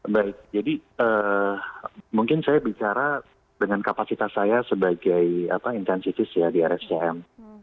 baik jadi mungkin saya bicara dengan kapasitas saya sebagai intensifis ya di rscm